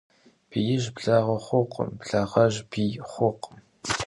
Биижь благъэ хъуркъым, благъэжь бий хъуркъым.